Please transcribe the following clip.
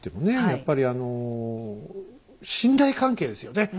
やっぱり信頼関係ですよね。